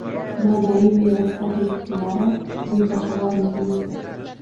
Madaniy meros ob’ektlari bebaho boyligimizdir